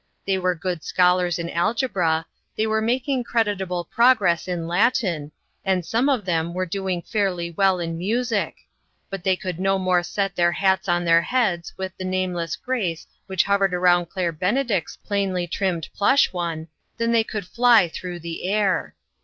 They were good scholars in algebra, they were making creditable progress in Latin, and some of them were doing fairly well in music ; but they could no more set their hats on their heads with the nameless "OUR CHURCH. 95 grace which hovered around Claire Bene dict's plainly trimmed plush one, than they could fly through the air.